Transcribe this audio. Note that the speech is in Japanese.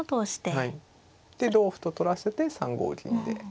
で同歩と取らせて３五銀で。